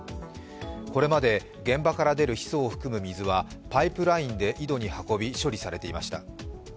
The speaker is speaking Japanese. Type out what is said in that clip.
これまで現場から出るヒ素を含む水はパイプラインで井戸に運び、処理されていました。